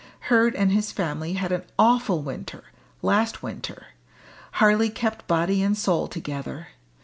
Hurd and his family had an awful winter, last winter hardly kept body and soul together.